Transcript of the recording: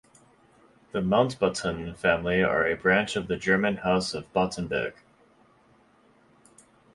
The Mountbatten family are a branch of the German house of Battenberg.